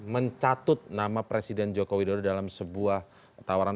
mencatut nama presiden joko widodo dalam sebuah tawaran